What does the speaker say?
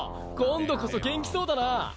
今度こそ元気そうだな。